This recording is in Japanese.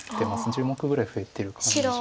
１０目ぐらい増えてる感じ。